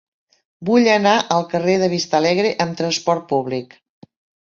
Vull anar al carrer de Vistalegre amb trasport públic.